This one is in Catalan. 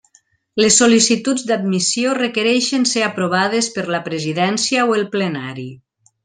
Les sol·licituds d'admissió requereixen ser aprovades per la presidència o el plenari.